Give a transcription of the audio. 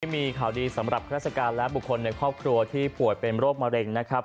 มีข่าวดีสำหรับราชการและบุคคลในครอบครัวที่ป่วยเป็นโรคมะเร็งนะครับ